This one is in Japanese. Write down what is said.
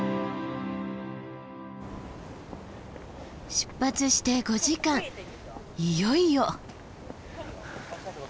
出発して５時間いよいよ！